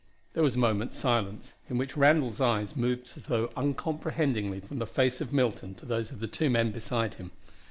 There was a moment's silence, in which Randall's eyes moved as though uncomprehendingly from the face of Milton to those of the two men beside him.